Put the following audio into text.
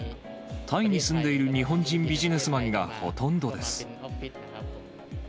タイに住んでいる日本人ビジネスマンがほとんどです。